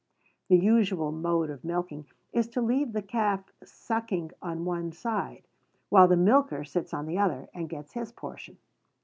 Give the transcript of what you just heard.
The usual mode of milking is to leave the calf sucking on one side, while the milker sits on the other, and gets his portion.